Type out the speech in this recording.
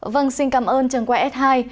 vâng xin cảm ơn trần quang s hai